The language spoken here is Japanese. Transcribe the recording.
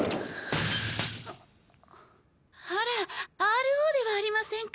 あらＲＯではありませんか。